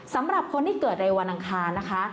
สำหรับคนที่เกิดในวันอังคารนะคะ